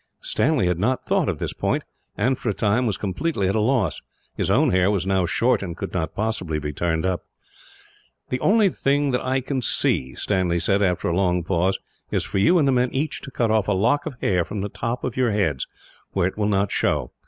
Stanley had not thought of this point and, for a time, was completely at a loss. His own hair was now short, and could not possibly be turned up. "The only thing that I can see," he said, after a long pause, "is for you and the men each to cut off a lock of hair from the top of your heads, where it will not show.